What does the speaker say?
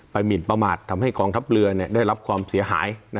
หมินประมาททำให้กองทัพเรือได้รับความเสียหาย